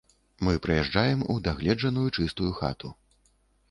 Мы прыязджаем у дагледжаную чыстую хату.